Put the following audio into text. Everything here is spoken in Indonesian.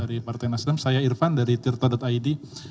dari partai nasdem saya irfan dari tirta id